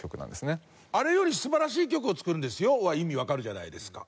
「あれより素晴らしい曲を作るんですよ」は意味わかるじゃないですか。